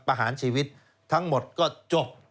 ประหารชีวิตทั้งหมดก็จบ